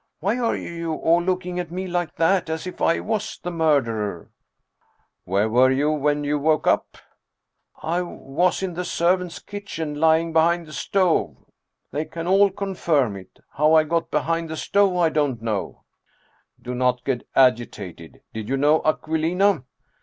Why are you all looking at me like that, as if I was the murderer ?"" Where were you when you woke up ?" 165 Russian Mystery Stories " I was in the servants' kitchen, lying behind the stove ! They can all confirm it. How I got behind the stove I don't know "" Do not get agitated. Did you know Aquilina